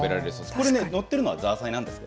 これね、載っているのはザーサイなんですよ。